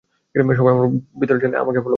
সবাই আমার সাথে ভিতরে চলো, আমাকে ফলো করো।